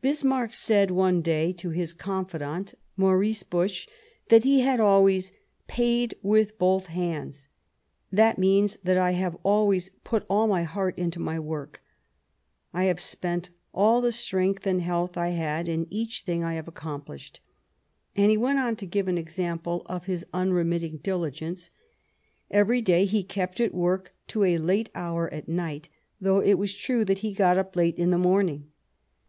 Bismarck said one day to his confidant, Maurice Busch, tliat he had always " paid with both hands. That means that I have always put all my heart into my work ; I have spent all the strength and health I had in each thing I have accomplished "; and he went on to give an example of his unremitting diligence : every day he kept at work to a late hour at night, though it was true that he got up late in the morning.